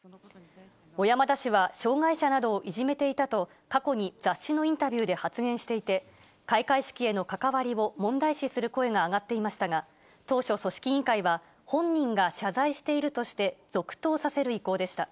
小山田氏は障がい者などをいじめていたと、過去に雑誌のインタビューで発言していて、開会式への関わりを問題視する声が上がっていましたが、当初、組織委員会は、本人が謝罪しているとして、続投させる意向でした。